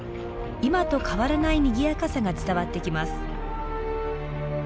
今と変わらないにぎやかさが伝わってきます。